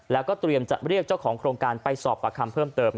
แล้วก็เตรียมจะเรียกเจ้าของโครงการไปสอบประคำเพิ่มเติม